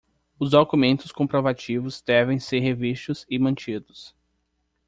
Os documentos comprovativos devem ser revistos e mantidos